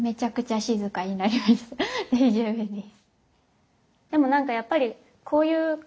大丈夫です。